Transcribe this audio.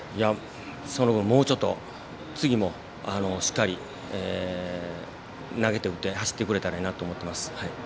もうちょっと次もしっかり投げて打って走ってくれたらいいなと思います。